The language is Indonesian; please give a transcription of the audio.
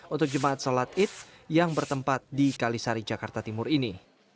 untuk jemaat sholat id yang bertempat di kalisari jakarta timur ini